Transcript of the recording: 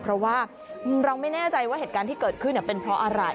เพราะว่าเราไม่แน่ใจว่าเหตุการณ์ที่เกิดขึ้นเป็นเพราะอะไร